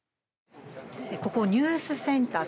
ここ、ニュースセンター。